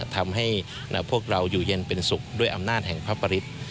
ทำให้พวกเราอยู่เย็นเป็นสุขด้วยอำนาจแห่งพระปริศ